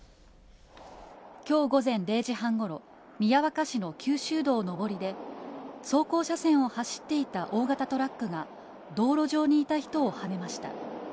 きょう午前０時半ごろ、宮若市の九州道上りで、走行車線を走っていた大型トラックが、道路上にいた人をはねました。